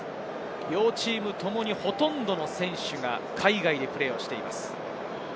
両チームともほとんどの選手が海外でプレーしています。